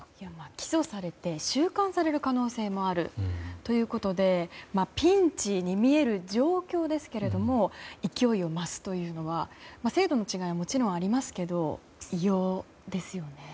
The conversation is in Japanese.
起訴されて収監される可能性もあるということでピンチに見える状況ですけど勢いを増すというのは制度の違いももちろんありますけど異様ですよね。